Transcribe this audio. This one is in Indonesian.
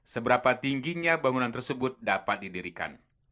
seberapa tingginya bangunan tersebut dapat didirikan